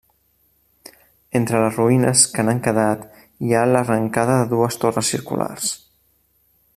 Entre les ruïnes que n'han quedat hi ha l'arrencada de dues torres circulars.